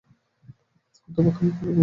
কুন্দ অবাক হইয়া বলিল, গয়নার লোভে বুঝি?